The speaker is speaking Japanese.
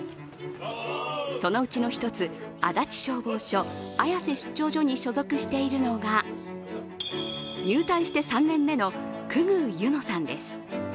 そのうちの１つ、足立消防署・綾瀬出張所に所属しているのが、入隊して３年目の久々宇邑乃さんです。